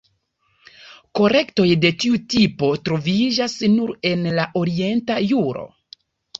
Kolektoj de tiu tipo troviĝas nur en la orienta juro.